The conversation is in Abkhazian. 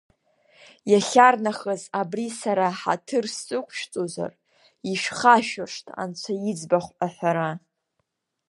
Иахьарнахыс абри сара ҳаҭыр сықәшәҵозар, ишәхашәыршҭ анцәа иӡбахә аҳәара.